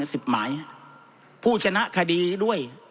สิบหมายผู้ชนะคดีด้วย